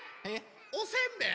おせんべい？